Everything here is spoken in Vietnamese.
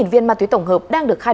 sáu viên ma túy tổng hợp đang được khai